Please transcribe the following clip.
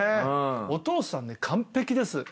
お父さん完璧です。